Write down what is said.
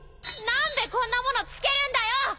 何でこんなものつけるんだよ！